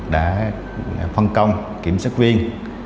đã phân công kiểm soát viên